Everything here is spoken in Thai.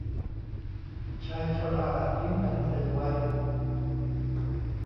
ชายชราทิ้งหนังสือไว้